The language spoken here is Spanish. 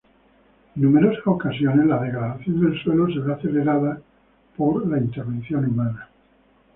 En numerosas ocasiones la degradación del suelo se ve acelerado por la intervención humana.